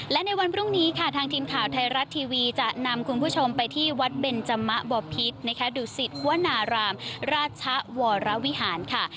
และในวันพรุ่งนี้ค่ะทางทีมข่าวไทยรัฐทีวีจะนำคุณผู้ชมไปที่วัดเบนจมะบ่อพิษนะคะดุสิตวนารามราชวรวิหารค่ะ